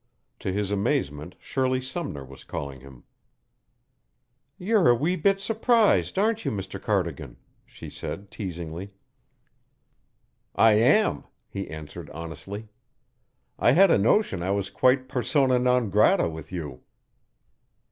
To his amazement Shirley Sumner was calling him! "You're a wee bit surprised, aren't you, Mr. Cardigan?" she said teasingly. "I am," he answered honestly. "I had a notion I was quite persona non grata with you."